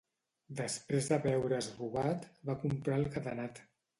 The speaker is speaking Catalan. Després de veure's robat, va comprar el cadenat.